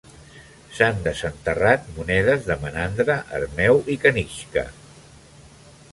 S'han desenterrat monedes de Menandre, Hermeu i Kanixka.